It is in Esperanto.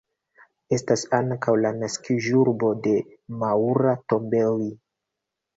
Estas ankaŭ la naskiĝurbo de Maura Tombelli.